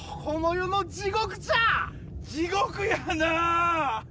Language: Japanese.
地獄やなぁ。